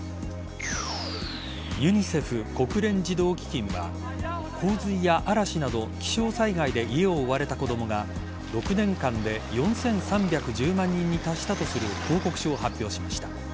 ユニセフ＝国連児童基金は洪水や嵐など気象災害で家を追われた子供が６年間で４３１０万人に達したとする報告書を発表しました。